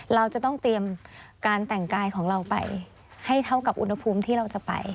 เราจะต้องเตรียมการแต่งกายของเราไปให้เท่ากับอุณหภูมิที่เราจะไป